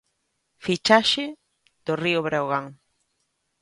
Fichaxe do Río Breogán.